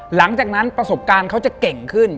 หลังจากนั้นประสบการณ์เขาจะเก่งขึ้น